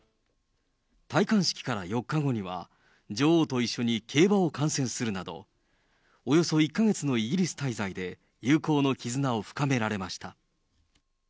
戴冠式から４日後には、女王と一緒に競馬を観戦するなど、およそ１か月のイギリス滞在で、友好の絆を深められました。